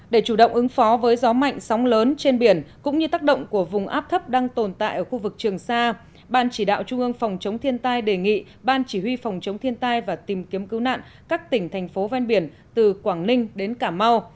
để chủ động ứng phó với gió mạnh sóng lớn trên biển cũng như tác động của vùng áp thấp đang tồn tại ở khu vực trường sa ban chỉ đạo trung ương phòng chống thiên tai đề nghị ban chỉ huy phòng chống thiên tai và tìm kiếm cứu nạn các tỉnh thành phố ven biển từ quảng ninh đến cà mau